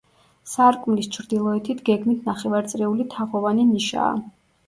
სარკმლის ჩრდილოეთით გეგმით ნახევარწრიული, თაღოვანი ნიშაა.